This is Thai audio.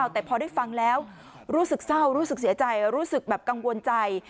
แต่พอได้ฟังแล้วรู้สึกเศร้ารู้สึกเสียใจรู้สึกแบบกังวลใจ